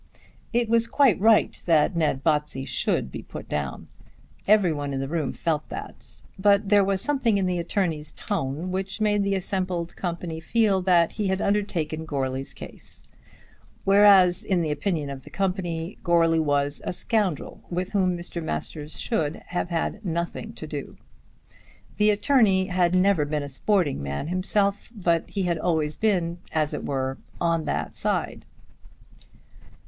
It was quite right that Ned Botsey should be put down. Every one in the room felt that. But there was something in the attorney's tone which made the assembled company feel that he had undertaken Goarly's case; whereas, in the opinion of the company, Goarly was a scoundrel with whom Mr. Masters should have had nothing to do. The attorney had never been a sporting man himself, but he had always been, as it were, on that side.